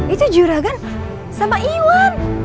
itu juragen sama iwan